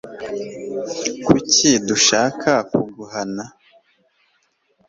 kuki dushaka kuguhana